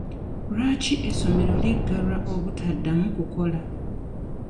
Lwaki essomero liggalwa obutaddamu kukola?